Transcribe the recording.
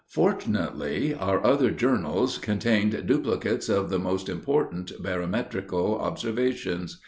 Fortunately, our other journals contained duplicates of the most important barometrical observations.